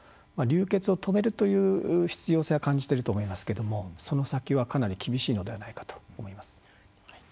流血を止める必要性は感じていると思いますけれどもその先はかなり厳しいのではないかと思います。